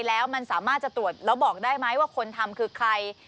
แล้วบอกได้ไหมว่าคนทำคือใคร